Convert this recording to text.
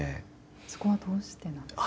そこはどうしてなんですか。